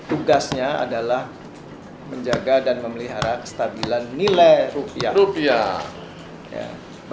émang tugasnya adalah menjaga dan memelihara kestabilan nilai rupiah rupiah bi